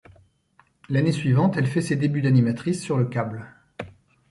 L'année suivante, elle fait ses débuts d'animatrice, sur le câble.